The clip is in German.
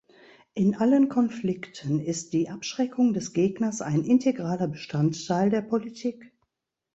In allen Konflikten ist die Abschreckung des Gegners ein integraler Bestandteil der Politik.